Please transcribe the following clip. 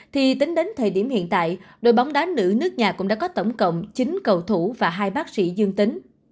thì tính đến thời điểm hiện tại đội bóng đá nữ nước nhà cũng đã có tổng cộng chín cầu thủ và hai bác sĩ dương tính